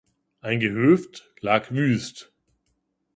Ein Gehöft lag wüst.